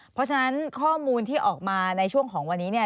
เพราะฉะนั้นข้อมูลที่ออกมาในช่วงของวันนี้เนี่ย